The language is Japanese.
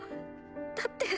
だって。